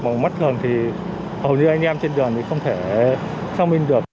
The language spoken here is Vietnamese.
mà một mắt gần thì hầu như anh em trên đường thì không thể xác minh được